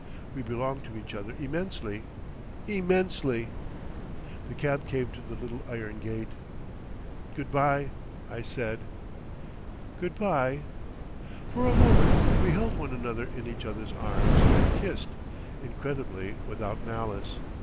We belonged to each other immensely—immensely. The cab came to the little iron gate. "Good bye!" I said. "Good bye." For a moment we held one another in each other's arms and kissed—incredibly without malice.